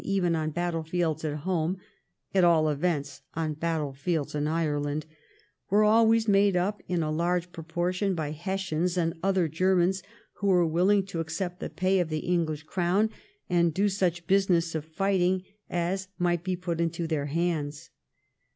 even on battlefields at home — at all events, on battlefields in Ireland — were always made up in a large proportion of Hessians and other Germans who were willing to accept the pay of the EngHsh Crown, and do such business of fighting as might be put into their hands.